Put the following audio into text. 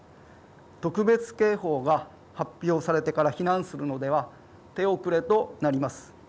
特別警報が発表されてから避難するのでは手遅れとなります。